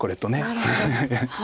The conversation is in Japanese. なるほど。